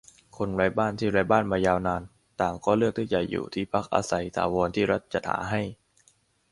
คนไร้บ้านที่ไร้บ้านมายาวนาน ต่างก็เลือกที่จะอยู่ในที่พักอาศัยถาวรที่รัฐจัดหาให้